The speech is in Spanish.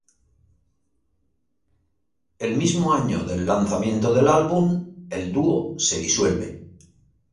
El mismo año del lanzamiento del álbum el dúo se disuelve.